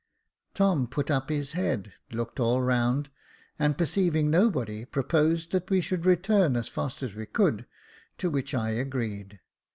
Tom put up his head, looked all round, and perceiving nobody, proposed that we should return as fast as we could ; to which I agreed.